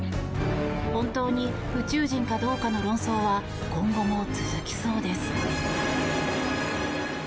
本当に宇宙人かどうかの論争は今後も続きそうです。